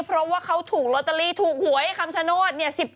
เพราะว่าเขาถูกลอตเตอรี่ถูกหวยคำชโนธ